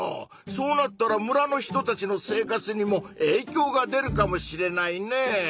そうなったら村の人たちの生活にもえいきょうが出るかもしれないねぇ。